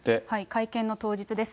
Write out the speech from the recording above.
会見の当日です。